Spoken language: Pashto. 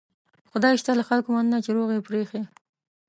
خدای شته له خلکو مننه چې روغ یې پرېښي.